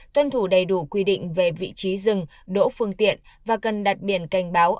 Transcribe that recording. tuân thủ đầy đủ quy định về vị trí rừng đỗ phương tiện và cần đặt biển cảnh báo